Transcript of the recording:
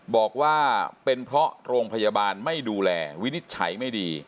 บอกว่าเป็นเพราะโรงพยาบาลไม่ดูแลวินิจฉัยไม่ดี